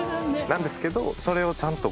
なんですけどそれをちゃんと。